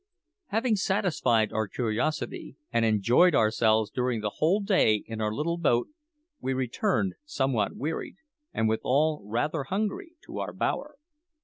Having satisfied our curiosity, and enjoyed ourselves during the whole day in our little boat, we returned, somewhat wearied, and withal rather hungry, to our bower.